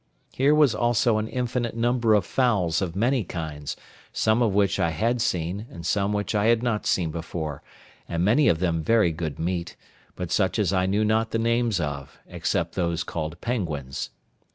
Here was also an infinite number of fowls of many kinds, some which I had seen, and some which I had not seen before, and many of them very good meat, but such as I knew not the names of, except those called penguins.